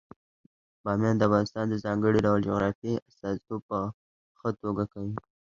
بامیان د افغانستان د ځانګړي ډول جغرافیې استازیتوب په ښه توګه کوي.